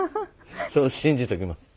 そう信じときます。